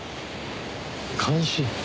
監視？